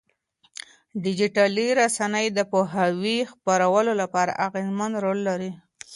ډيجيټلي رسنۍ د پوهاوي خپرولو لپاره اغېزمن رول لري.